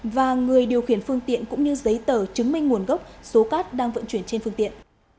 và người điều khiển phương tiện cũng như giấy tờ chứng minh nguồn gốc số cát đang vận chuyển trên phương tiện